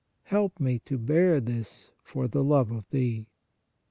Help me to bear this for the love of Thee